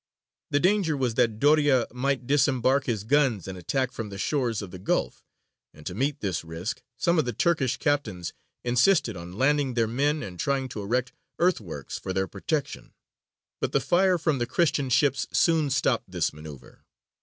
The danger was that Doria might disembark his guns and attack from the shores of the gulf, and to meet this risk some of the Turkish captains insisted on landing their men and trying to erect earthworks for their protection; but the fire from the Christian ships soon stopped this manoeuvre.